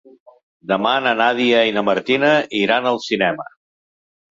Demà na Nàdia i na Martina iran al cinema.